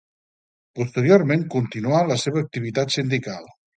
Posteriorment continuà la seva activitat sindical.